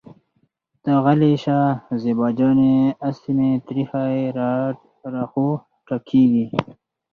ته غلې شه زېبا جانې اسې مې تريخی راخوټکېږي.